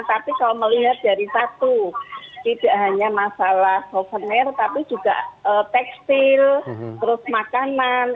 tapi kalau melihat dari satu tidak hanya masalah souvenir tapi juga tekstil terus makanan